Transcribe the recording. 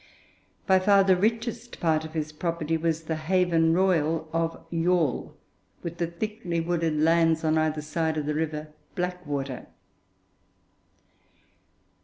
By far the richest part of his property was the 'haven royal' of Youghal, with the thickly wooded lands on either side of the river Blackwater.